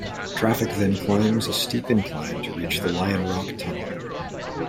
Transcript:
Traffic then climbs a steep incline to reach the Lion Rock Tunnel.